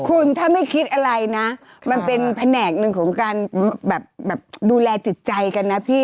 คุณถ้าไม่คิดอะไรนะมันเป็นแผนกหนึ่งของการแบบดูแลจิตใจกันนะพี่